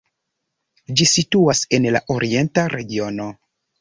Ĝi situas en la Orienta regiono.